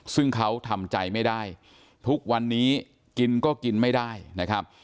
ซึ่งเขาทำใจไม่ได้ทุกวันนี้กินก็กินไม่ได้นะครับ